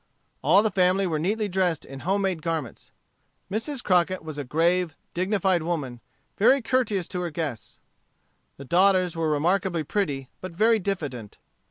All the family were neatly dressed in home made garments. Mrs. Crockett was a grave, dignified woman, very courteous to her guests. The daughters were remarkably pretty, but very diffident.